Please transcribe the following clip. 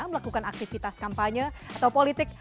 melakukan aktivitas kampanye atau politik